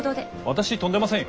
私飛んでませんよ？